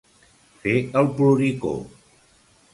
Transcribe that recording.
Fer el ploricó.